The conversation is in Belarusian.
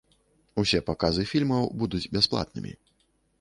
Усе паказы фільмаў будуць бясплатнымі.